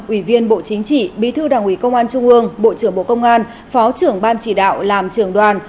ủy viên bộ chính trị bí thư đảng ủy công an trung ương bộ trưởng bộ công an phó trưởng ban chỉ đạo làm trưởng đoàn